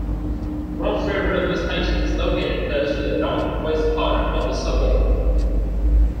Redfern railway station is located close to the north-west corner of the suburb.